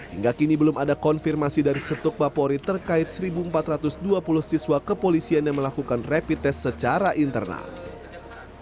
hingga kini belum ada konfirmasi dari setuk bapori terkait satu empat ratus dua puluh siswa kepolisian yang melakukan rapid test secara internal